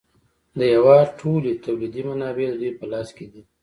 د هېواد ټولې تولیدي منابع د دوی په لاس کې دي